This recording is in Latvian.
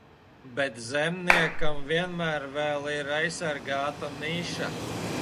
Bet zemniekam vienmēr vēl ir aizsargāta niša.